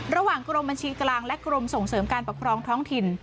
ระหว่างกรมบัญชีกลางและกรมส่งเสริมการปกครองท้องถิ่น